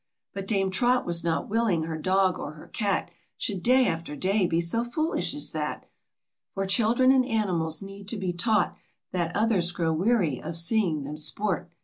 But Dame Trot was not willing her dog or her cat Should day after day be so foolish as that, For children and animals need to be taught That others grow weary of seeing them sport.